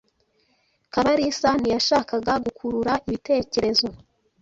Kabalisa ntiyashakaga gukurura ibitekerezo.